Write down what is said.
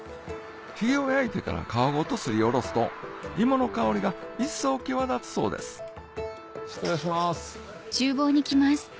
ヒゲを焼いてから皮ごとすりおろすと芋の香りが一層際立つそうです失礼します。